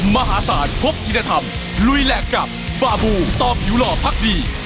มหาศาลพบธิรธรรมลุยแหลกกับบาบูต่อผิวหล่อพักดี